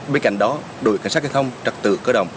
bên cạnh đó đội cảnh sát giao thông trật tự cơ động